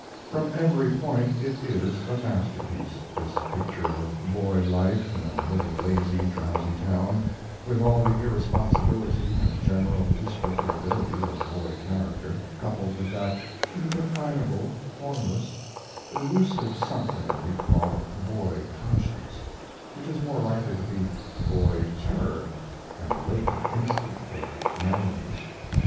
From every point it is a masterpiece, this picture of boy life in a little lazy, drowsy town, with all the irresponsibility and general disreputability of boy character coupled with that indefinable, formless, elusive something we call boy conscience, which is more likely to be boy terror and a latent instinct of manliness.